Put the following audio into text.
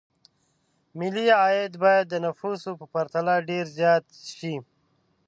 ملي عاید باید د نفوسو په پرتله ډېر زیات شي.